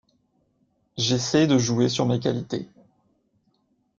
J’essaye de jouer sur mes qualités.